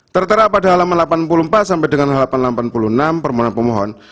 tertera pada halaman delapan puluh empat sampai dengan halaman delapan puluh enam permohonan pemohon